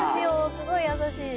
すごい優しい。